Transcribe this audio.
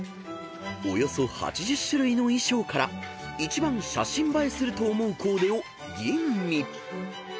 ［およそ８０種類の衣装から一番写真映えすると思うコーデを吟味］